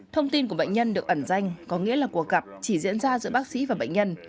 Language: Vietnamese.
thông tin của bệnh nhân được ẩn danh có nghĩa là cuộc gặp chỉ diễn ra giữa bác sĩ và bệnh nhân